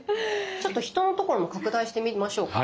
ちょっと人のところも拡大してみましょうか。